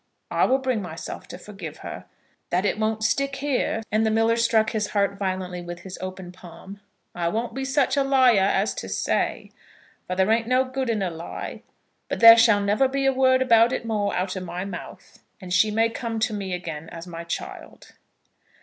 "I will bring myself to forgive her. That it won't stick here," and the miller struck his heart violently with his open palm, "I won't be such a liar as to say. For there ain't no good in a lie. But there shall be never a word about it more out o' my mouth, and she may come to me again as my child."